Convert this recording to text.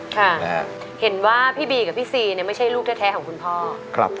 ค่ะเห็นว่าพี่บีกับพี่ซีเนี่ยไม่ใช่ลูกแท้ของคุณพ่อ